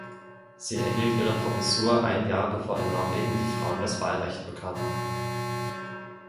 Sie erhielt ihre Professur ein Jahr bevor in Norwegen die Frauen das Wahlrecht bekamen.